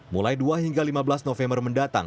mulai dua hingga lima belas november mendatang